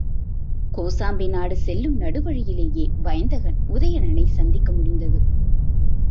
கோசாம்பி நாடு செல்லும் நடு வழியிலேயே வயந்தகன், உதயணனைச் சந்திக்க முடிந்தது.